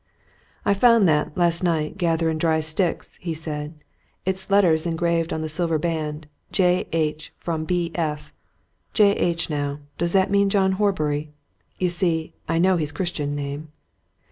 "I found that, last night, gathering dry sticks," he said. "It's letters engraved on the silver band 'J. H. from B. F.' 'J. H.' now? does that mean John Horbury? you see, I know his Christian name."